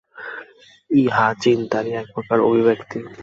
ইহা চিন্তারই এক প্রকার অভিব্যক্তি।